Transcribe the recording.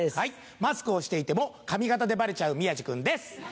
マスクをしていても髪形でバレちゃう宮治君です！